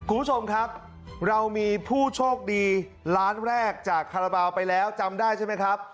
คุณผู้ชมครับเรามีผู้โชคดีล้านแรกจากคาราบาลไปแล้วจำได้ใช่ไหมครับ